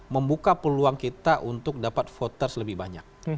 membuka peluang kita untuk dapat voters lebih banyak